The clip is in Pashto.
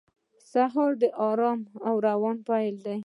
سهار د آرام روان پیل دی.